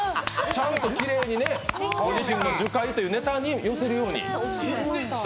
ちゃんときれいにご自身の樹海というネタに寄せるように。